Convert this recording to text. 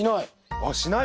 あっしない？